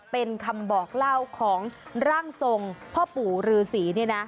เป็นคำบอกเล่าของร่างทรงพ่อปู่ฤษี